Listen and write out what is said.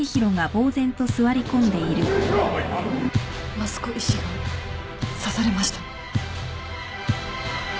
益子医師が刺されました。